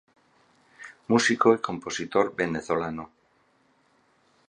Músico y compositor Venezolano.